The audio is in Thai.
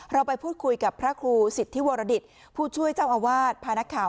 เราไปพูดคุยกับพระครูสิทธิวรดิตผู้ช่วยเจ้าอาวาสพานักข่าว